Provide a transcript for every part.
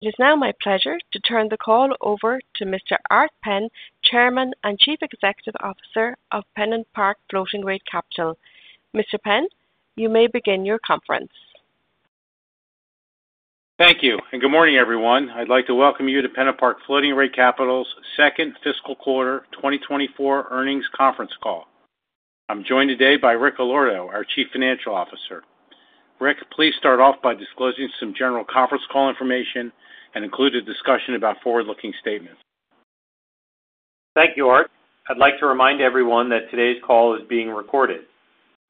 It is now my pleasure to turn the call over to Mr. Art Penn, Chairman and Chief Executive Officer of PennantPark Floating Rate Capital. Mr. Penn, you may begin your conference. Thank you, and good morning, everyone. I'd like to welcome you to PennantPark Floating Rate Capital's second fiscal quarter 2024 earnings conference call. I'm joined today by Rick Allorto, our Chief Financial Officer. Rick, please start off by disclosing some general conference call information and include a discussion about forward-looking statements. Thank you, Art. I'd like to remind everyone that today's call is being recorded.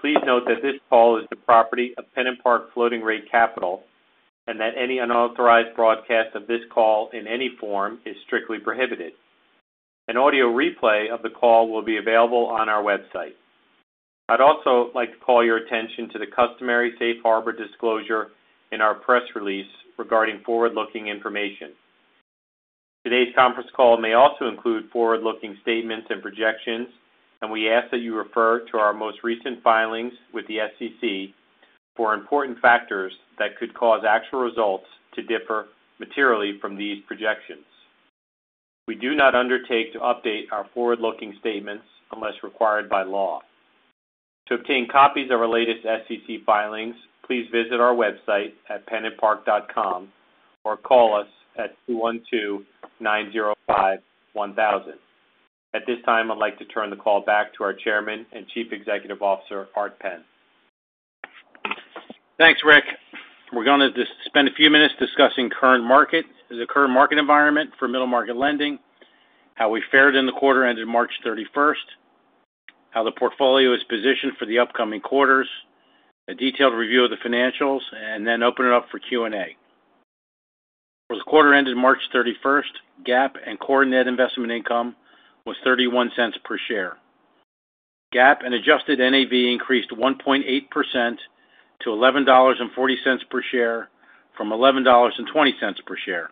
Please note that this call is the property of PennantPark Floating Rate Capital and that any unauthorized broadcast of this call in any form is strictly prohibited. An audio replay of the call will be available on our website. I'd also like to call your attention to the customary Safe Harbor disclosure in our press release regarding forward-looking information. Today's conference call may also include forward-looking statements and projections, and we ask that you refer to our most recent filings with the SEC for important factors that could cause actual results to differ materially from these projections. We do not undertake to update our forward-looking statements unless required by law. To obtain copies of our latest SEC filings, please visit our website at pennantpark.com or call us at 212-905-1000. At this time, I'd like to turn the call back to our Chairman and Chief Executive Officer Art Penn. Thanks, Rick. We're going to spend a few minutes discussing the current market environment for middle market lending, how we fared in the quarter ended March 31st, how the portfolio is positioned for the upcoming quarters, a detailed review of the financials, and then open it up for Q&A. For the quarter ended March 31st, GAAP net investment income was $0.31 per share. GAAP NAV and adjusted NAV increased 1.8% to $11.40 per share from $11.20 per share.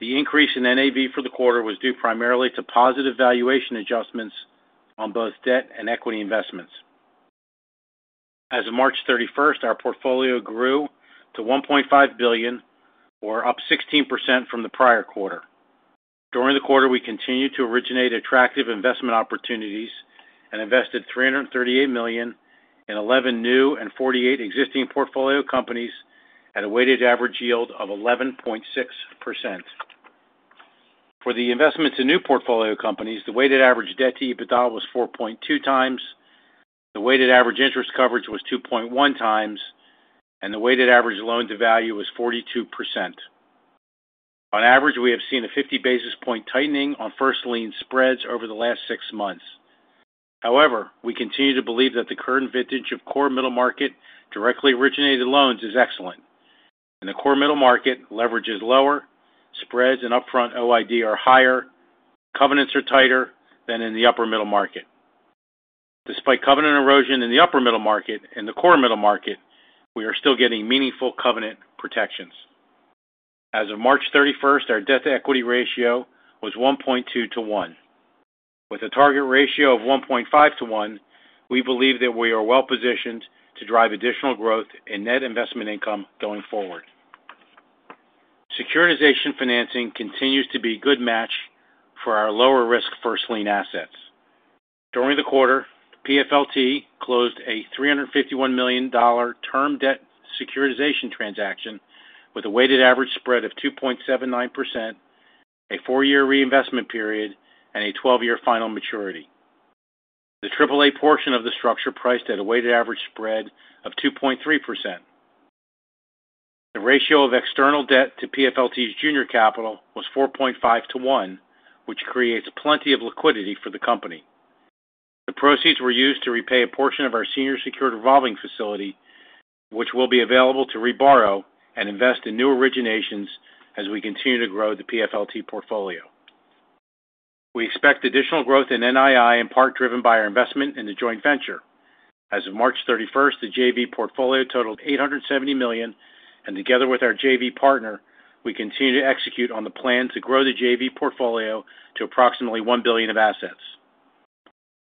The increase in NAV for the quarter was due primarily to positive valuation adjustments on both debt and equity investments. As of March 31st, our portfolio grew to $1.5 billion, or up 16% from the prior quarter. During the quarter, we continued to originate attractive investment opportunities and invested $338 million in 11 new and 48 existing portfolio companies at a weighted average yield of 11.6%. For the investments in new portfolio companies, the weighted average debt to EBITDA was 4.2x, the weighted average interest coverage was 2.1x, and the weighted average loan to value was 42%. On average, we have seen a 50 basis point tightening on first lien spreads over the last six months. However, we continue to believe that the current vintage of core middle market directly originated loans is excellent, and the core middle market leverage is lower, spreads and upfront OID are higher, covenants are tighter than in the upper middle market. Despite covenant erosion in the upper middle market and the core middle market, we are still getting meaningful covenant protections. As of March 31st, our debt to equity ratio was 1.2 to 1. With a target ratio of 1.5 to 1, we believe that we are well positioned to drive additional growth in net investment income going forward. Securitization financing continues to be a good match for our lower-risk first lien assets. During the quarter, PFLT closed a $351 million term debt securitization transaction with a weighted average spread of 2.79%, a four-year reinvestment period, and a 12-year final maturity. The AAA portion of the structure priced at a weighted average spread of 2.3%. The ratio of external debt to PFLT's junior capital was 4.5 to 1, which creates plenty of liquidity for the company. The proceeds were used to repay a portion of our senior secured revolving facility, which will be available to reborrow and invest in new originations as we continue to grow the PFLT portfolio. We expect additional growth in NII, in part driven by our investment in the joint venture. As of March 31st, the JV portfolio totaled $870 million, and together with our JV partner, we continue to execute on the plan to grow the JV portfolio to approximately $1 billion of assets.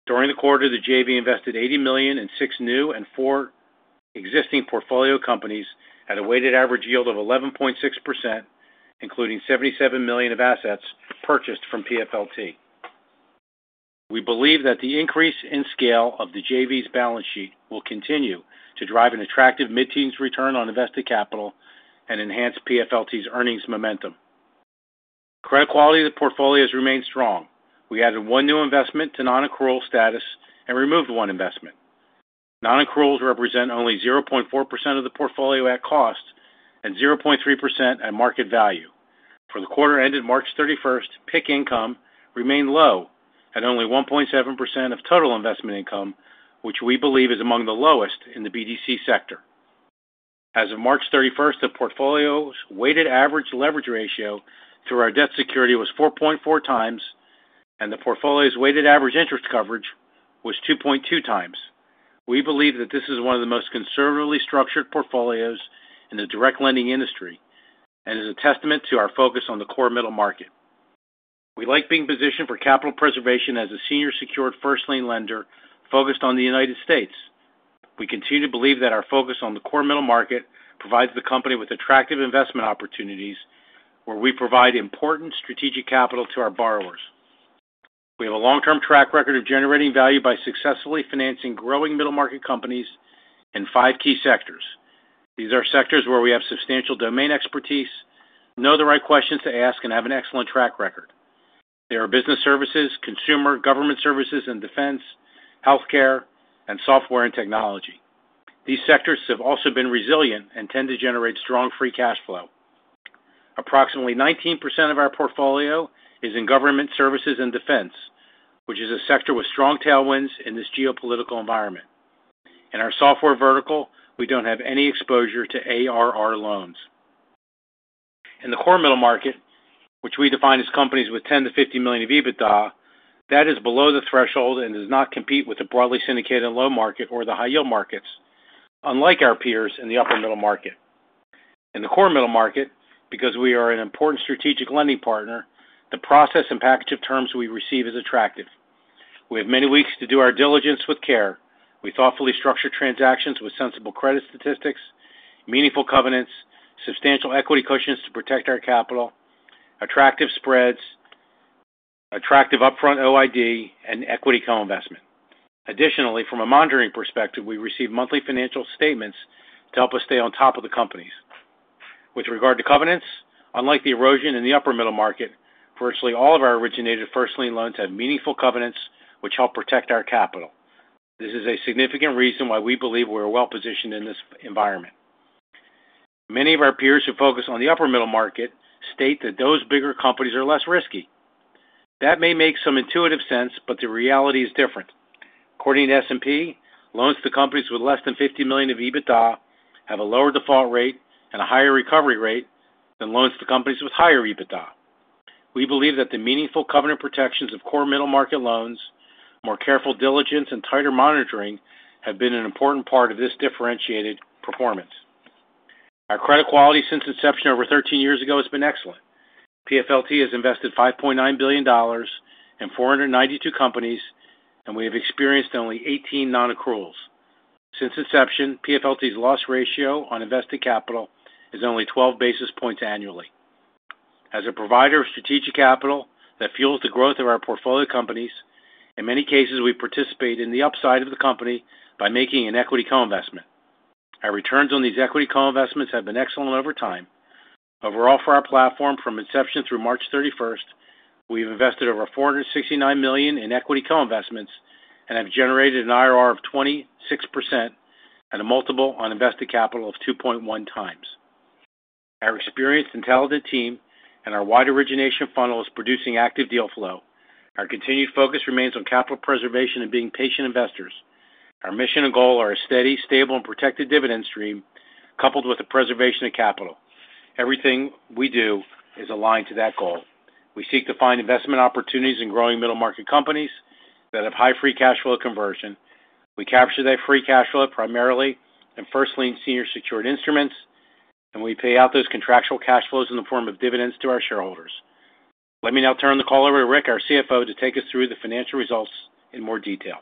During the quarter, the JV invested $80 million in six new and four existing portfolio companies at a weighted average yield of 11.6%, including $77 million of assets purchased from PFLT. We believe that the increase in scale of the JV's balance sheet will continue to drive an attractive mid-teens return on invested capital and enhance PFLT's earnings momentum. Credit quality of the portfolio has remained strong. We added one new investment to non-accrual status and removed one investment. Non-accruals represent only 0.4% of the portfolio at cost and 0.3% at market value. For the quarter ended March 31st, PIK income remained low at only 1.7% of total investment income, which we believe is among the lowest in the BDC sector. As of March 31st, the portfolio's weighted average leverage ratio through our debt security was 4.4 times, and the portfolio's weighted average interest coverage was 2.2 times. We believe that this is one of the most conservatively structured portfolios in the direct lending industry and is a testament to our focus on the core middle market. We like being positioned for capital preservation as a senior secured first lien lender focused on the United States. We continue to believe that our focus on the core middle market provides the company with attractive investment opportunities where we provide important strategic capital to our borrowers. We have a long-term track record of generating value by successfully financing growing middle market companies in five key sectors. These are sectors where we have substantial domain expertise, know the right questions to ask, and have an excellent track record. There are business services, consumer, government services, and defense, healthcare, and software and technology. These sectors have also been resilient and tend to generate strong free cash flow. Approximately 19% of our portfolio is in government services and defense, which is a sector with strong tailwinds in this geopolitical environment. In our software vertical, we don't have any exposure to ARR loans. In the core middle market, which we define as companies with 10-50 million of EBITDA, that is below the threshold and does not compete with the broadly syndicated loan market or the high yield markets, unlike our peers in the upper middle market. In the core middle market, because we are an important strategic lending partner, the process and package of terms we receive is attractive. We have many weeks to do our diligence with care. We thoughtfully structure transactions with sensible credit statistics, meaningful covenants, substantial equity cushions to protect our capital, attractive spreads, attractive upfront OID, and equity co-investment. Additionally, from a monitoring perspective, we receive monthly financial statements to help us stay on top of the companies. With regard to covenants, unlike the erosion in the upper middle market, virtually all of our originated first lien loans have meaningful covenants which help protect our capital. This is a significant reason why we believe we are well positioned in this environment. Many of our peers who focus on the upper middle market state that those bigger companies are less risky. That may make some intuitive sense, but the reality is different. According to S&P, loans to companies with less than $50 million of EBITDA have a lower default rate and a higher recovery rate than loans to companies with higher EBITDA. We believe that the meaningful covenant protections of core middle market loans, more careful diligence, and tighter monitoring have been an important part of this differentiated performance. Our credit quality since inception over 13 years ago has been excellent. PFLT has invested $5.9 billion in 492 companies, and we have experienced only 18 non-accruals. Since inception, PFLT's loss ratio on invested capital is only 12 basis points annually. As a provider of strategic capital that fuels the growth of our portfolio companies, in many cases, we participate in the upside of the company by making an equity co-investment. Our returns on these equity co-investments have been excellent over time. Overall, for our platform, from inception through March 31st, we have invested over $469 million in equity co-investments and have generated an IRR of 26% and a multiple on invested capital of 2.1x. Our experienced, intelligent team and our wide origination funnel is producing active deal flow. Our continued focus remains on capital preservation and being patient investors. Our mission and goal are a steady, stable, and protected dividend stream coupled with the preservation of capital. Everything we do is aligned to that goal. We seek to find investment opportunities in growing middle market companies that have high free cash flow conversion. We capture that free cash flow primarily in first lien senior secured instruments, and we pay out those contractual cash flows in the form of dividends to our shareholders. Let me now turn the call over to Rick, our CFO, to take us through the financial results in more detail.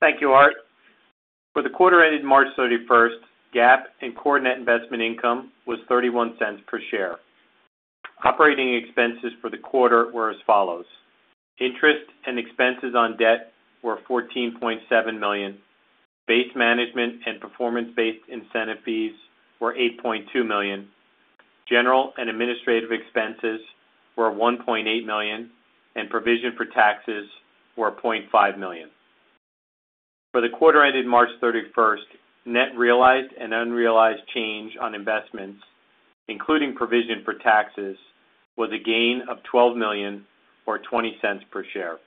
Thank you, Art. For the quarter ended March 31st, GAAP net investment income was $0.31 per share. Operating expenses for the quarter were as follows. Interest and expenses on debt were $14.7 million. Base management and performance-based incentive fees were $8.2 million. General and administrative expenses were $1.8 million, and provision for taxes were $0.5 million. For the quarter ended March 31st, net realized and unrealized change on investments, including provision for taxes, was a gain of $12 million or $0.20 per share.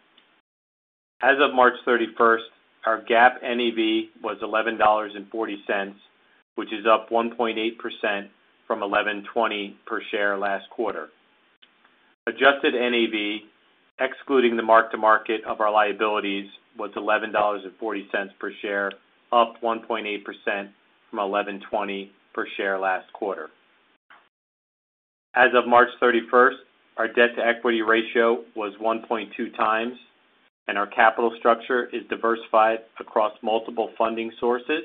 As of March 31st, our GAAP NAV was $11.40, which is up 1.8% from $11.20 per share last quarter. Adjusted NAV, excluding the mark-to-market of our liabilities, was $11.40 per share, up 1.8% from $11.20 per share last quarter. As of March 31st, our debt to equity ratio was 1.2 times, and our capital structure is diversified across multiple funding sources,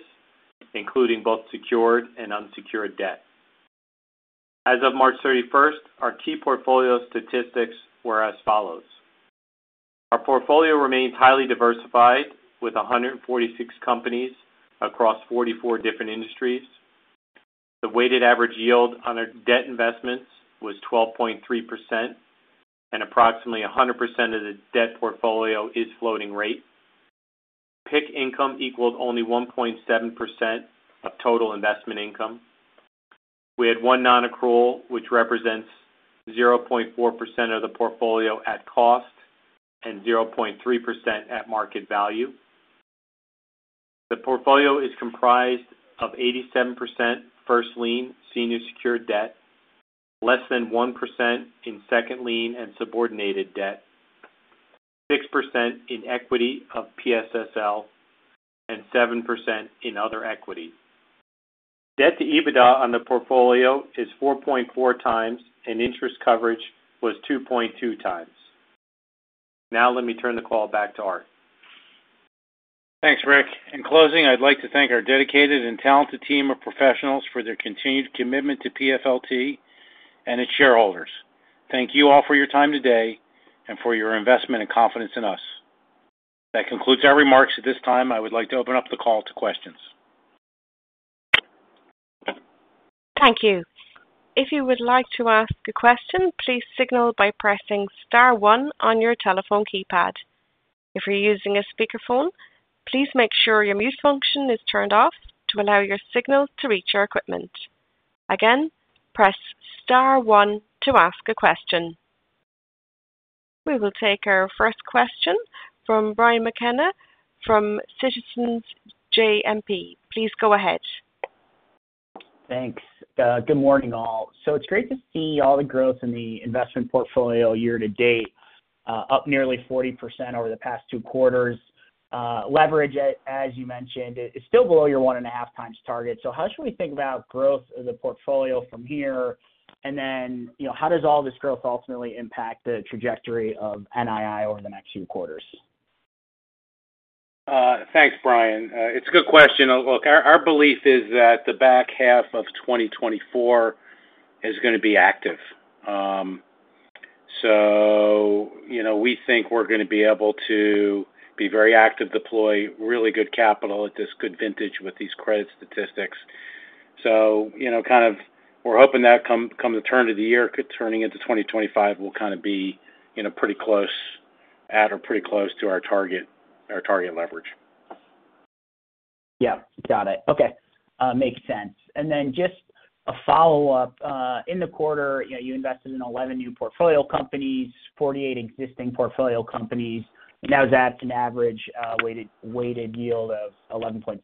including both secured and unsecured debt. As of March 31st, our key portfolio statistics were as follows. Our portfolio remains highly diversified with 146 companies across 44 different industries. The weighted average yield on our debt investments was 12.3%, and approximately 100% of the debt portfolio is floating rate. PIK income equaled only 1.7% of total investment income. We had one non-accrual, which represents 0.4% of the portfolio at cost and 0.3% at market value. The portfolio is comprised of 87% first lien senior secured debt, less than 1% in second lien and subordinated debt, 6% in equity of PSSL, and 7% in other equity. Debt to EBITDA on the portfolio is 4.4 times, and interest coverage was 2.2 times. Now let me turn the call back to Art. Thanks, Rick. In closing, I'd like to thank our dedicated and talented team of professionals for their continued commitment to PFLT and its shareholders. Thank you all for your time today and for your investment and confidence in us. That concludes our remarks. At this time, I would like to open up the call to questions. Thank you. If you would like to ask a question, please signal by pressing star one on your telephone keypad. If you're using a speakerphone, please make sure your mute function is turned off to allow your signal to reach our equipment. Again, press star one to ask a question. We will take our first question from Brian McKenna from Citizens JMP. Please go ahead. Thanks. Good morning, all. It's great to see all the growth in the investment portfolio year to date, up nearly 40% over the past 2 quarters. Leverage, as you mentioned, is still below your 1.5x target. How should we think about growth of the portfolio from here? How does all this growth ultimately impact the trajectory of NII over the next few quarters? Thanks, Brian. It's a good question. Look, our belief is that the back half of 2024 is going to be active. So we think we're going to be able to be very active, deploy really good capital at this good vintage with these credit statistics. So kind of we're hoping that come the turn of the year, turning into 2025, we'll kind of be pretty close at or pretty close to our target leverage. Yep. Got it. Okay. Makes sense. And then just a follow-up. In the quarter, you invested in 11 new portfolio companies, 48 existing portfolio companies, and that was at an average weighted yield of 11.6%.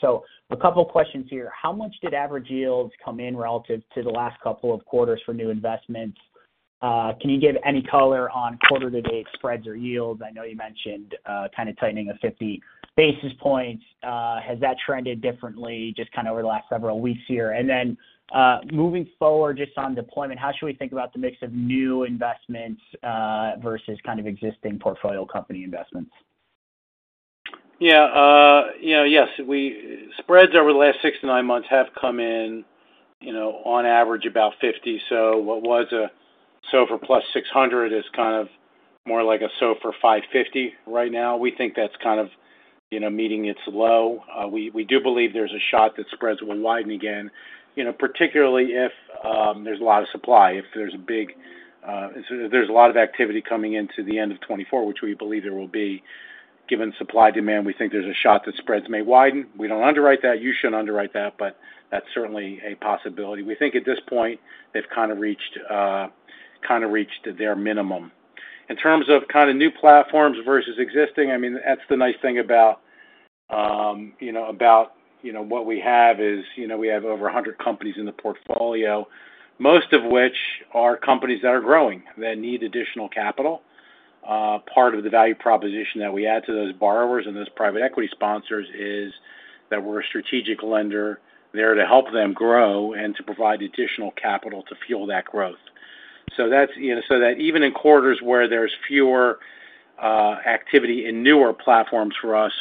So a couple of questions here. How much did average yields come in relative to the last couple of quarters for new investments? Can you give any color on quarter-to-date spreads or yields? I know you mentioned kind of tightening of 50 basis points. Has that trended differently just kind of over the last several weeks here? And then moving forward just on deployment, how should we think about the mix of new investments versus kind of existing portfolio company investments? Yeah. Yes. Spreads over the last 6-9 months have come in on average about 50. So what was a SOFR + 600 is kind of more like a SOFR 550 right now. We think that's kind of meeting its low. We do believe there's a shot that spreads will widen again, particularly if there's a lot of supply, if there's a lot of activity coming into the end of 2024, which we believe there will be. Given supply-demand, we think there's a shot that spreads may widen. We don't underwrite that. You shouldn't underwrite that, but that's certainly a possibility. We think at this point, they've kind of reached their minimum. In terms of kind of new platforms versus existing, I mean, that's the nice thing about what we have is we have over 100 companies in the portfolio, most of which are companies that are growing that need additional capital. Part of the value proposition that we add to those borrowers and those private equity sponsors is that we're a strategic lender there to help them grow and to provide additional capital to fuel that growth. So that even in quarters where there's fewer activity in newer platforms for us,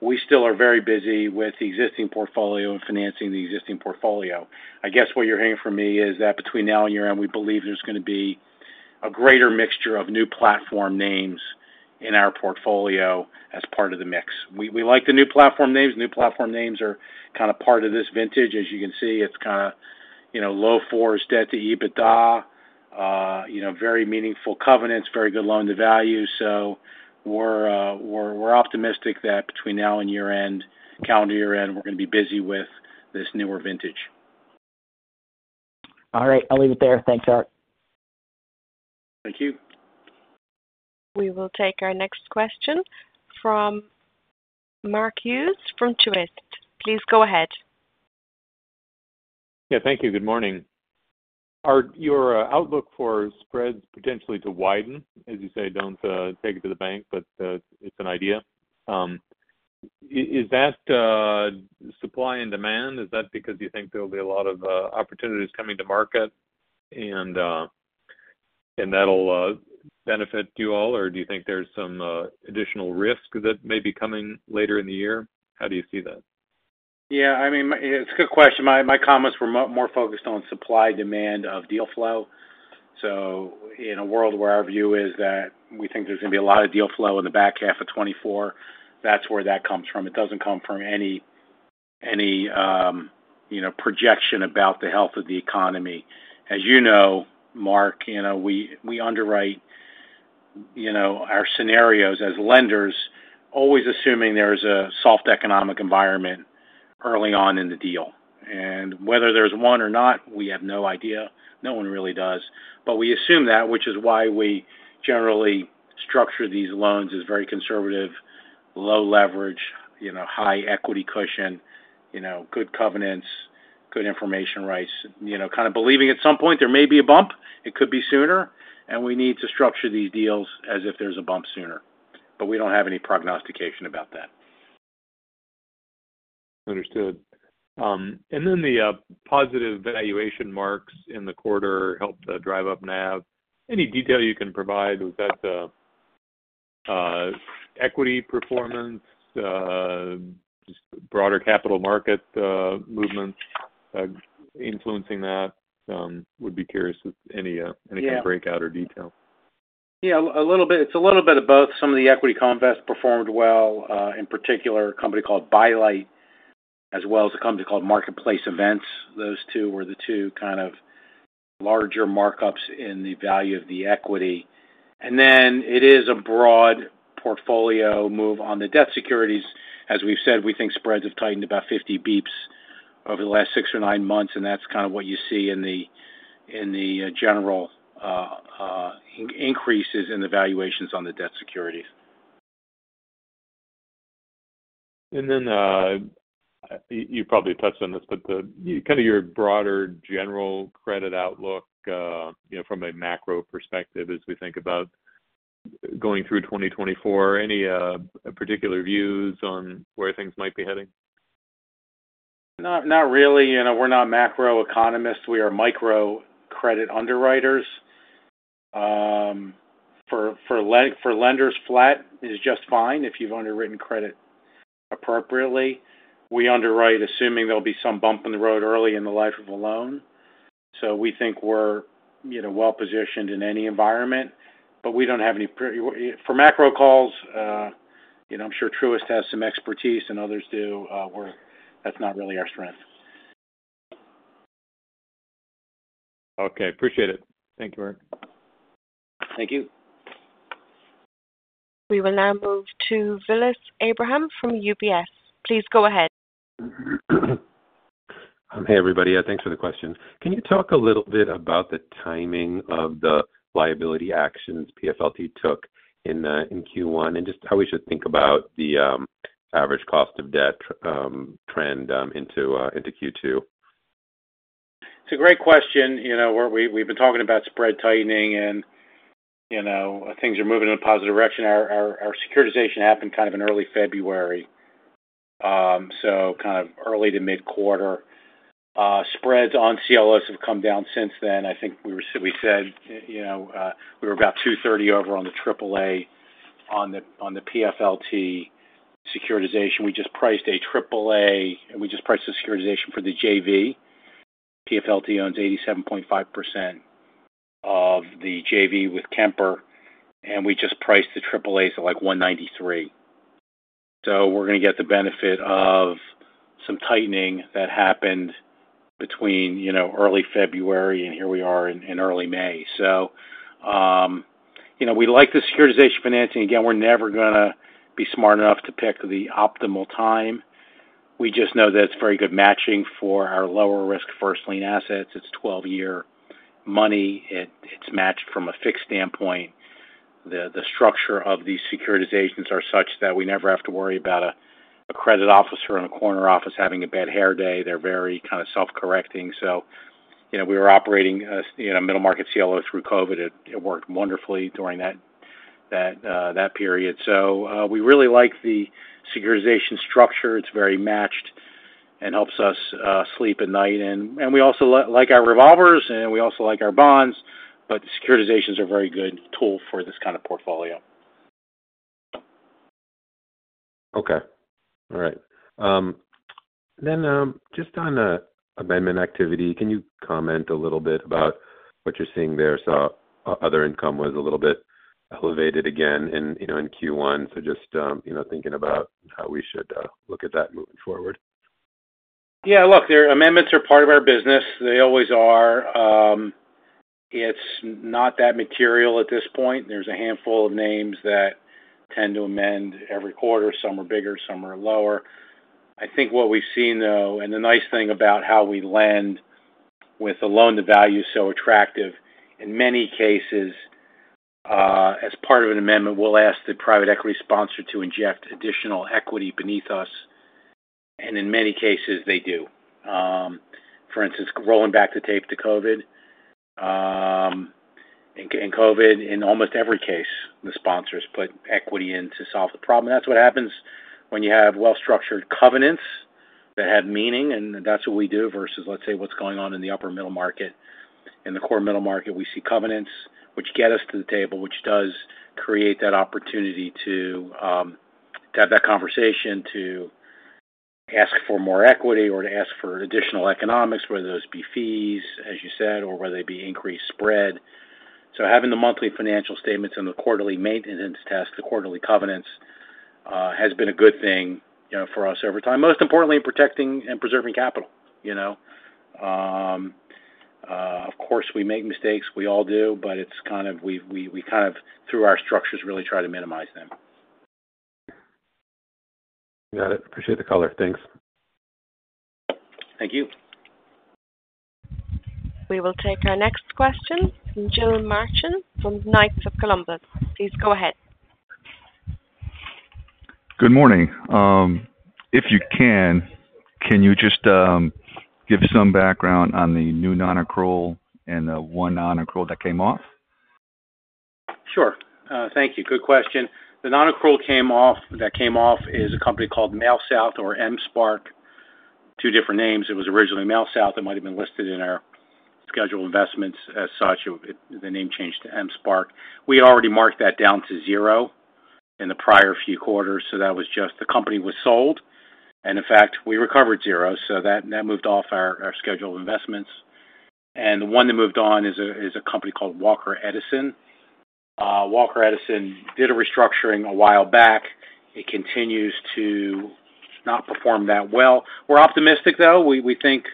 we still are very busy with the existing portfolio and financing the existing portfolio. I guess what you're hearing from me is that between now and your end, we believe there's going to be a greater mixture of new platform names in our portfolio as part of the mix. We like the new platform names. New platform names are kind of part of this vintage. As you can see, it's kind of low-4s debt-to-EBITDA, very meaningful covenants, very good loan-to-value. So we're optimistic that between now and year-end, calendar year-end, we're going to be busy with this newer vintage. All right. I'll leave it there. Thanks, Art. Thank you. We will take our next question from Mark Hughes from Truist. Please go ahead. Yeah. Thank you. Good morning. Art, your outlook for spreads potentially to widen, as you say, don't take it to the bank, but it's an idea. Is that supply and demand? Is that because you think there'll be a lot of opportunities coming to market, and that'll benefit you all, or do you think there's some additional risk that may be coming later in the year? How do you see that? Yeah. I mean, it's a good question. My comments were more focused on supply-demand of deal flow. So in a world where our view is that we think there's going to be a lot of deal flow in the back half of 2024, that's where that comes from. It doesn't come from any projection about the health of the economy. As you know, Mark, we underwrite our scenarios as lenders always assuming there's a soft economic environment early on in the deal. And whether there's one or not, we have no idea. No one really does. But we assume that, which is why we generally structure these loans as very conservative, low leverage, high equity cushion, good covenants, good information rights, kind of believing at some point there may be a bump. It could be sooner. And we need to structure these deals as if there's a bump sooner. But we don't have any prognostication about that. Understood. And then the positive valuation marks in the quarter helped drive up NAV. Any detail you can provide? Was that equity performance, just broader capital market movements influencing that? Would be curious if any kind of breakout or detail. Yeah. A little bit. It's a little bit of both. Some of the equity co-invests performed well, in particular, a company called By Light as well as a company called Marketplace Events. Those two were the two kind of larger markups in the value of the equity. And then it is a broad portfolio move on the debt securities. As we've said, we think spreads have tightened about 50 bps over the last six or nine months, and that's kind of what you see in the general increases in the valuations on the debt securities. And then you probably touched on this, but kind of your broader general credit outlook from a macro perspective as we think about going through 2024, any particular views on where things might be heading? Not really. We're not macro economists. We are micro credit underwriters. For lenders, flat is just fine if you've underwritten credit appropriately. We underwrite assuming there'll be some bump in the road early in the life of a loan. So we think we're well-positioned in any environment, but we don't have any for macro calls. I'm sure Truist has some expertise and others do. That's not really our strength. Okay. Appreciate it. Thank you, Art. Thank you. We will now move to Vilas Abraham from UBS. Please go ahead. Hey, everybody. Thanks for the question. Can you talk a little bit about the timing of the liability actions PFLT took in Q1 and just how we should think about the average cost of debt trend into Q2? It's a great question. We've been talking about spread tightening and things are moving in a positive direction. Our securitization happened kind of in early February, so kind of early to mid-quarter. Spreads on CLOs have come down since then. I think we said we were about 230 over on the AAA on the PFLT securitization. We just priced a AAA, and we just priced the securitization for the JV. PFLT owns 87.5% of the JV with Kemper, and we just priced the AAAs at like 193. So we're going to get the benefit of some tightening that happened between early February, and here we are in early May. So we like the securitization financing. Again, we're never going to be smart enough to pick the optimal time. We just know that it's very good matching for our lower-risk first lien assets. It's 12-year money. It's matched from a fixed standpoint. The structure of these securitizations are such that we never have to worry about a credit officer in a corner office having a bad hair day. They're very kind of self-correcting. So we were operating a middle-market CLO through COVID. It worked wonderfully during that period. So we really like the securitization structure. It's very matched and helps us sleep at night. And we also like our revolvers, and we also like our bonds, but securitizations are a very good tool for this kind of portfolio. Okay. All right. Then just on amendment activity, can you comment a little bit about what you're seeing there? I saw other income was a little bit elevated again in Q1. So just thinking about how we should look at that moving forward. Yeah. Look, amendments are part of our business. They always are. It's not that material at this point. There's a handful of names that tend to amend every quarter. Some are bigger. Some are lower. I think what we've seen, though, and the nice thing about how we lend with a loan-to-value so attractive, in many cases, as part of an amendment, we'll ask the private equity sponsor to inject additional equity beneath us. And in many cases, they do. For instance, rolling back the tape to COVID. In COVID, in almost every case, the sponsors put equity in to solve the problem. And that's what happens when you have well-structured covenants that have meaning, and that's what we do versus, let's say, what's going on in the upper middle market. In the core middle market, we see covenants which get us to the table, which does create that opportunity to have that conversation to ask for more equity or to ask for additional economics, whether those be fees, as you said, or whether they be increased spread. So having the monthly financial statements and the quarterly maintenance test, the quarterly covenants, has been a good thing for us over time, most importantly in protecting and preserving capital. Of course, we make mistakes. We all do, but it's kind of, we kind of, through our structures, really try to minimize them. Got it. Appreciate the color. Thanks. Thank you. We will take our next question from Gil Marsac from Knights of Columbus. Please go ahead. Good morning. If you can, can you just give some background on the new non-accrual and the one non-accrual that came off? Sure. Thank you. Good question. The non-accrual that came off is a company called MailSouth or Mspark. Two different names. It was originally MailSouth. It might have been listed in our schedule of investments as such. The name changed to Mspark. We had already marked that down to zero in the prior few quarters, so that was just the company was sold. And in fact, we recovered zero, so that moved off our schedule of investments. And the one that moved on is a company called Walker Edison. Walker Edison did a restructuring a while back. It continues to not perform that well. We're optimistic, though. We think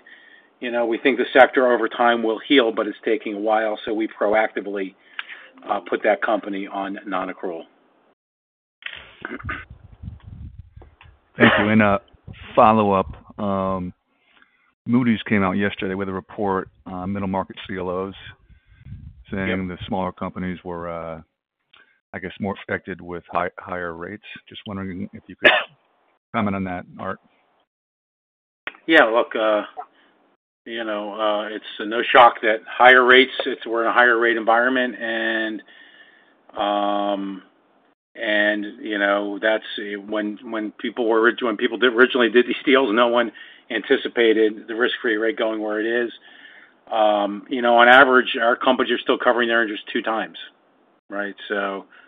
the sector over time will heal, but it's taking a while, so we proactively put that company on non-accrual. Thank you. In a follow-up, Moody's came out yesterday with a report on middle-market CLOs saying the smaller companies were, I guess, more affected with higher rates. Just wondering if you could comment on that, Art? Yeah. Look, it's no shock that higher rates. We're in a higher-rate environment, and that's when people originally did these deals, no one anticipated the risk-free rate going where it is. On average, our companies are still covering their interest 2x, right,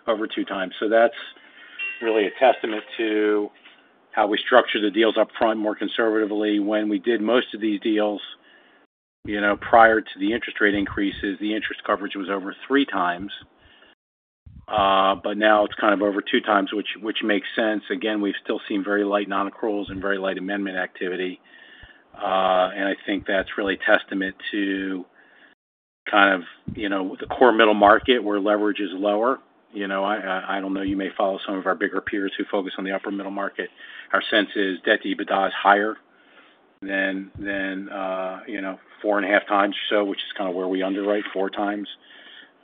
over 2x. So that's really a testament to how we structure the deals upfront more conservatively. When we did most of these deals prior to the interest rate increases, the interest coverage was over 3x, but now it's kind of over 2x, which makes sense. Again, we've still seen very light non-accruals and very light amendment activity, and I think that's really a testament to kind of the core middle market where leverage is lower. I don't know. You may follow some of our bigger peers who focus on the upper middle market. Our sense is debt-to-EBITDA is higher than 4.5x or so, which is kind of where we underwrite, 4x.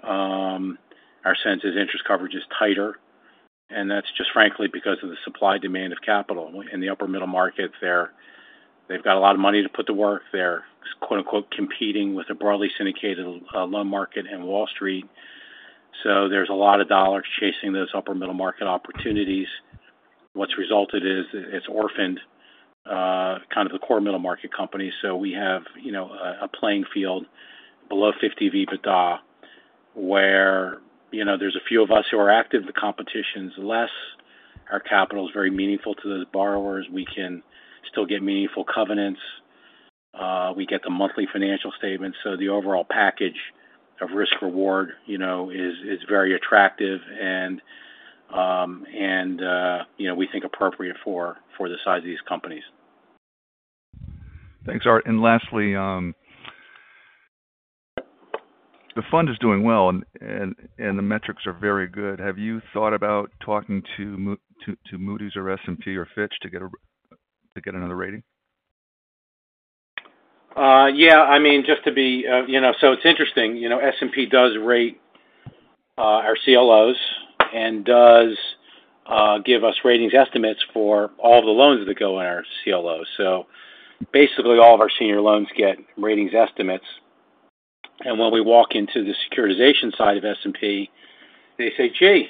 Our sense is interest coverage is tighter, and that's just, frankly, because of the supply-demand of capital. In the upper middle market, they've got a lot of money to put to work. They're "competing" with the broadly syndicated loan market and Wall Street, so there's a lot of dollars chasing those upper middle market opportunities. What's resulted is it's orphaned kind of the core middle market companies. So we have a playing field below 50 EBITDA where there's a few of us who are active. The competition's less. Our capital's very meaningful to those borrowers. We can still get meaningful covenants. We get the monthly financial statements, so the overall package of risk-reward is very attractive, and we think appropriate for the size of these companies. Thanks, Art. And lastly, the fund is doing well, and the metrics are very good. Have you thought about talking to Moody's or S&P or Fitch to get another rating? Yeah. I mean, just to be so it's interesting. S&P does rate our CLOs and does give us ratings estimates for all of the loans that go in our CLOs. So basically, all of our senior loans get ratings estimates. When we walk into the securitization side of S&P, they say, "Gee,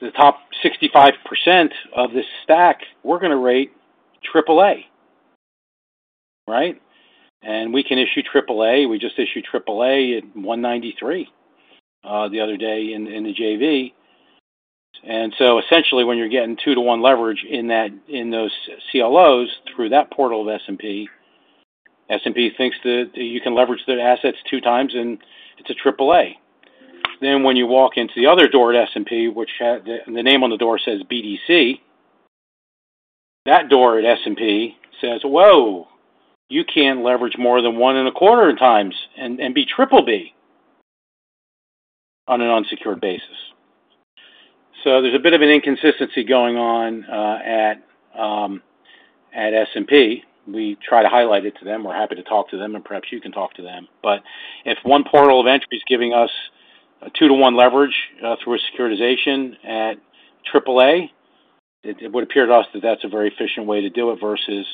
the top 65% of this stack, we're going to rate AAA," right? We can issue AAA. We just issued AAA at 193 the other day in the JV. Essentially, when you're getting 2-to-1 leverage in those CLOs through that portal of S&P, S&P thinks that you can leverage their assets 2 times, and it's a AAA. Then when you walk into the other door at S&P, which the name on the door says BDC, that door at S&P says, "Whoa, you can't leverage more than 1.25x and be BBB on an unsecured basis." So there's a bit of an inconsistency going on at S&P. We try to highlight it to them. We're happy to talk to them, and perhaps you can talk to them. But if one portal of entry is giving us a 2-to-1 leverage through a securitization at AAA, it would appear to us that that's a very efficient way to do it versus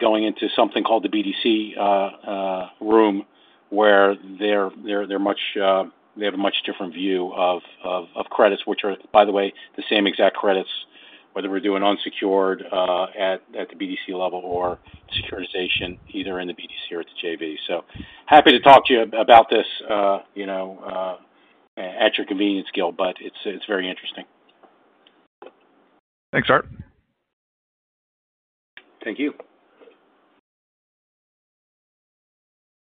going into something called the BDC room where they have a much different view of credits, which are, by the way, the same exact credits, whether we're doing unsecured at the BDC level or securitization either in the BDC or at the JV. So happy to talk to you about this at your convenience, Gil, but it's very interesting. Thanks, Art. Thank you.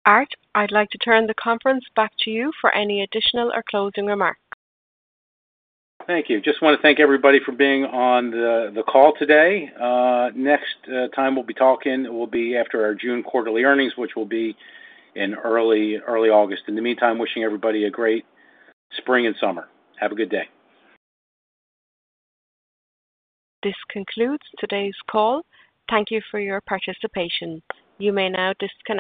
Art, I'd like to turn the conference back to you for any additional or closing remarks. Thank you. Just want to thank everybody for being on the call today. Next time we'll be talking will be after our June quarterly earnings, which will be in early August. In the meantime, wishing everybody a great spring and summer. Have a good day. This concludes today's call. Thank you for your participation. You may now disconnect.